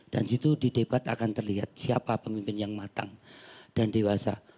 dan di situ di debat akan terlihat siapa pemimpin yang matang dan dewasa